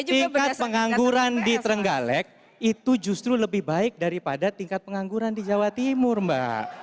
tingkat pengangguran di trenggalek itu justru lebih baik daripada tingkat pengangguran di jawa timur mbak